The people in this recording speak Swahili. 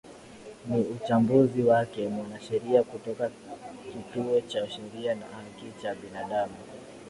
ni uchambuzi wake mwanasheria kutoka kituo cha sheria na haki za binaadamu